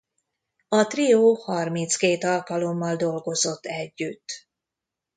A trió harminckét alkalommal dolgozott együtt.